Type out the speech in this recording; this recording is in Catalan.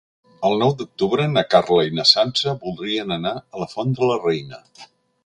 El nou d'octubre na Carla i na Sança voldrien anar a la Font de la Reina.